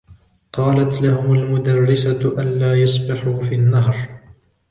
قالت لهم المدرسة ألا يسبحوا في النهر.